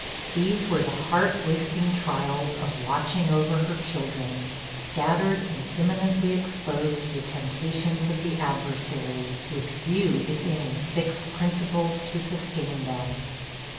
These were the heart wasting trials of watching over her children, scattered, and imminently exposed to the temptations of the adversary, with few, if any, fixed principles to sustain them.